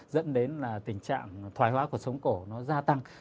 dẫn đến là tình trạng thoái hóa của sống cổ nó gia tăng